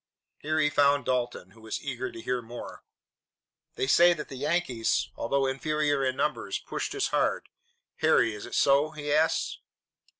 Here he found Dalton, who was eager to hear more. "They say that the Yankees, although inferior in numbers, pushed us hard, Harry; is it so?" he asked.